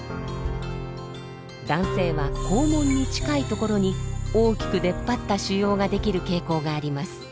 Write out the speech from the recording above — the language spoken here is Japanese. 男性は肛門に近いところに大きく出っ張った腫瘍が出来る傾向があります。